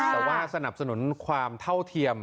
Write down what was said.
แต่ว่าสนับสนุนความเท่าเทียม